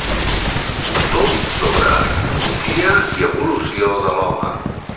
Tot sobre arqueologia i evolució de l'home.